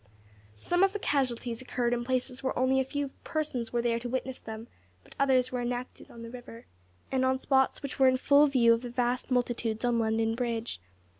Some of the casualties occurred in places where only a few persons were there to witness them, but others were enacted on the river, and on spots which were in full view of the vast multitudes on London Bridge.